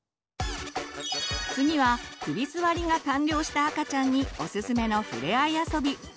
次は首すわりが完了した赤ちゃんにおすすめのふれあい遊び。